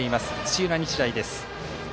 土浦日大です。